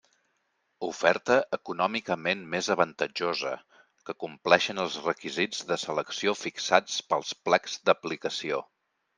Oferta econòmicament més avantatjosa, que compleixen els requisits de selecció fixats pels plecs d'aplicació.